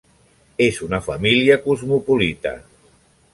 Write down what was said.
És una família cosmopolita.